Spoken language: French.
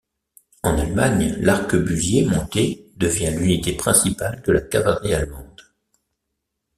En Allemagne, l'arquebusier monté devient l'unité principale de la cavalerie allemande.